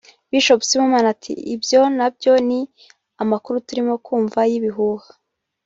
Bishop Sibomana ati "Ibyo na byo ni amakuru turimo kumva y'ibihuha